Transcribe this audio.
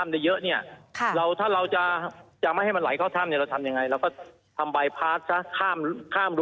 ได้เยอะเนี้ยข้าเราถ้าเราจะจะไม่ให้มันไหลเข้าท่ำ